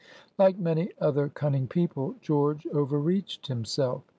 Like many other cunning people, George overreached himself.